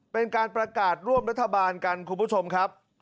เป็นการประกาศร่วมรัฐบาลกันคุณผู้ชมครับ